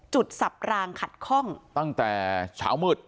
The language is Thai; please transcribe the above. จุดสับลางขัดคล่องตั้งแต่เช้ามืด